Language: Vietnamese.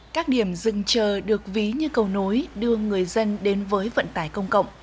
các điểm rừng chờ được ví như cầu nối đưa người dân đến với vận tải công cộng